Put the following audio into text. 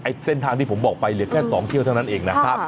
เส้นทางที่ผมบอกไปเหลือแค่๒เที่ยวเท่านั้นเองนะครับ